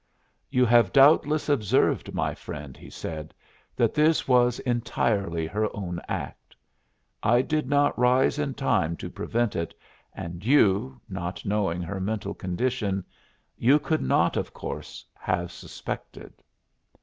"You have doubtless observed, my friend," he said, "that this was entirely her own act. I did not rise in time to prevent it, and you, not knowing her mental condition you could not, of course, have suspected."